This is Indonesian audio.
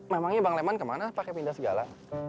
memangnya bang leman kemana pakai pindah segala